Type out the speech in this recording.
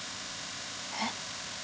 えっ？